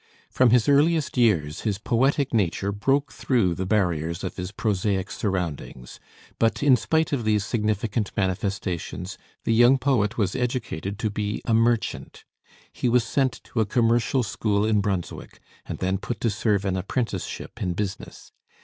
From his earliest years his poetic nature broke through the barriers of his prosaic surroundings; but in spite of these significant manifestations, the young poet was educated to be a merchant. He was sent to a commercial school in Brunswick, and then put to serve an apprenticeship in business.